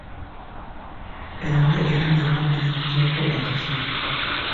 Embwa erumye omubbi n’emukutulako akafi.